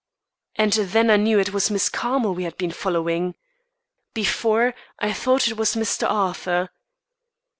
And then I knew it was Miss Carmel we had been following. Before, I thought it was Mr. Arthur.